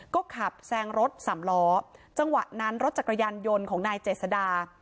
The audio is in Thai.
ก็ขับแซงรถสามล้อจังหวะนั้นรถจักรยานยนต์ของนายเจษดา